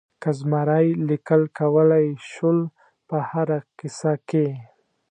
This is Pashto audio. که زمری لیکل کولای شول په هره کیسه کې.